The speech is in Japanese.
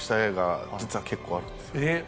えっ？